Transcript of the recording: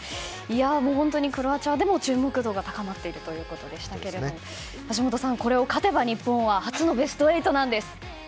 本当にクロアチアでも注目度が高まっているということですが橋下さん、これを勝てば日本は初のベスト８なんです。